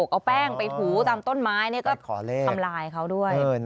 เอาแป้งไปถูตามต้นไม้นี่ก็ทำลายเขาด้วย